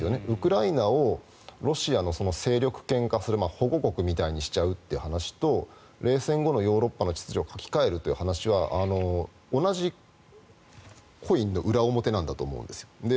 ウクライナをロシアの勢力圏化する保護国みたいにしちゃうっていう話と冷戦後のヨーロッパの秩序を書き換えるというのは同じコインの裏表なんだと思うんです。